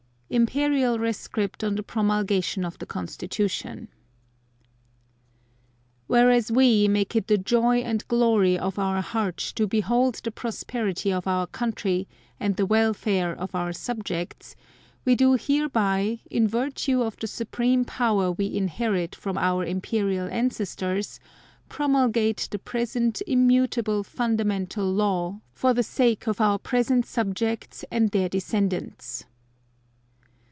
Imperial Rescript on the Promulgation of the Constitution Whereas We make it the joy and glory of Our heart to behold the prosperity of Our country, and the welfare of Our subjects, We do hereby, in virtue of the Supreme power We inherit from Our Imperial Ancestors, promulgate the present immutable fundamental law, for the sake of Our present subjects and their descendants.